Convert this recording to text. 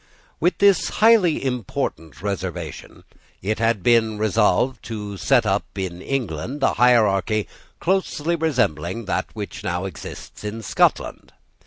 With this highly important reservation, it had been resolved to set up in England a hierarchy closely resembling that which now exists in Scotland.